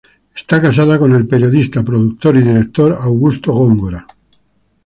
Es casada con el periodista, productor y director Augusto Góngora.